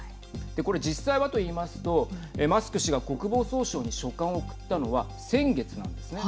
これ実際はといいますとマスク氏が国防総省に書簡を送ったのは先月なんですね。